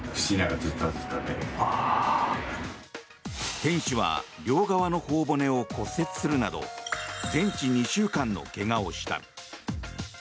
店主は両側の頬骨を骨折するなど全治２週間の怪我をした。